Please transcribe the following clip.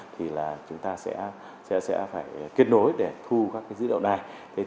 thì là chúng ta sẽ phải kết nối để thu các dữ liệu này